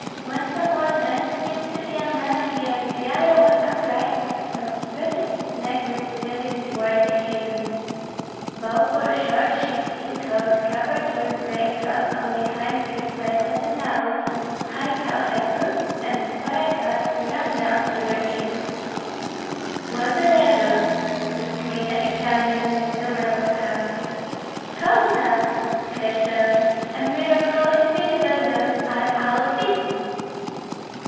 One somewhat bent seemed to be a man of years; the other went upright, but stretched his neck with curiosity toward the cabin. Both wore short sheepskin coats covered with gray cloth of the kind used by petty nobles, high cowhide boots, and fur caps drawn down to their ears. "What the devil!" said Kmita, examining the two men with care. "Colonel!" cried Soroka, "a miracle indeed, but those are our people."